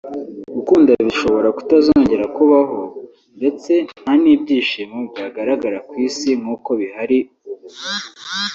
gukunda bishobora kutazongera kubaho ndetse nta n’ibyishimo byagaragara mu isi nk’uko bihari ubu